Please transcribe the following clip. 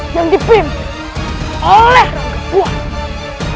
yang dipimpin oleh rangka puan